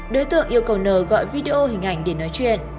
đối tượng yêu cầu n gọi video hình ảnh để nói chuyện